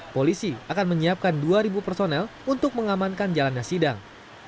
polisi akan menyiapkan dua personel untuk mengamankan jalannya sidang